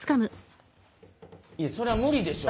いやそりゃ無理でしょ。